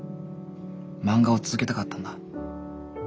漫画を続けたかったんだ。